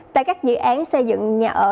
tại các dự án xây dựng nhà ở